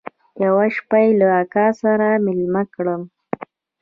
يوه شپه يې له اکا سره ميلمه کړم.